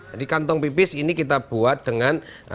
jadi kantong pipis ini kita buat dengan